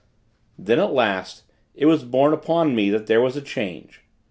Then, at last, it was borne upon me that there was a change.